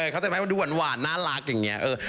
เข้าใจไหมมันดูหวานน่ารักอย่างนี้